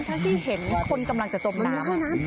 ทั้งที่เห็นคนกำลังจะจมน้ำ